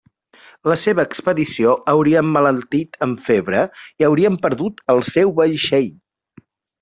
La seva expedició hauria emmalaltit amb febre i haurien perdut el seu vaixell.